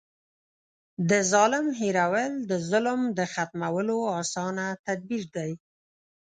د ظالم هېرول د ظلم د ختمولو اسانه تدبير دی.